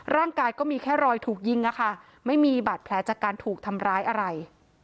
ร่างกายก็มีแค่รอยถูกยิงอะค่ะไม่มีบาดแผลจากการถูกทำร้ายอะไร